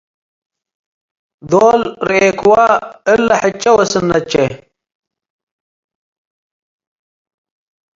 ዶል ርኤክወ እለ ሕቼ ወስነቼ